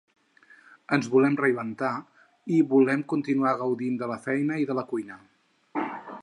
Ens volem reinventar i volem continuar gaudint de la feina i de la cuina.